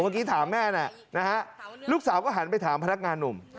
เมื่อกี้ถามแม่นะลูกสาวก็หันไปถามพนักงานหนุ่ม